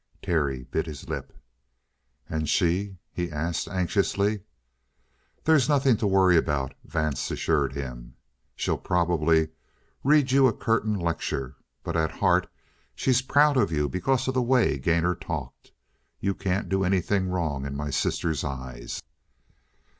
Terry bit his lip. "And she?" he asked anxiously. "There's nothing to worry about," Vance assured him. "She'll probably read you a curtain lecture. But at heart she's proud of you because of the way Gainor talked. You can't do anything wrong in my sister's eyes."